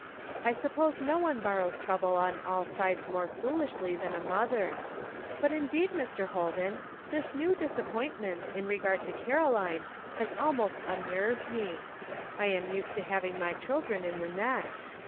"I suppose no one borrows trouble on all sides more foolishly than a mother ; but indeed, Mr. Holden, this new dis appointment in regard to Caroline has almost unnerved me ; I am used to having my children in the nest.